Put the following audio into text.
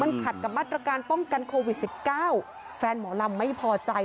ขัดกับมาตรการป้องกันโควิด๑๙แฟนหมอลำไม่พอใจ